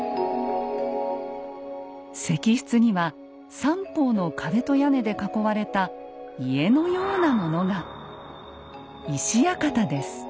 石室には三方の壁と屋根で囲われた家のようなものが。